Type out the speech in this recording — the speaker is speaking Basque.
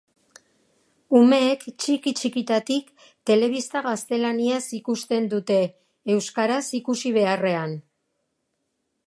Umeek txiki-txikitatik telebista gaztelaniaz ikusten dute euskaraz ikusi beharrean.